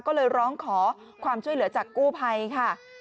ก็เลยร้องขอความช่วยเหลือจากกู้ภัยค่ะ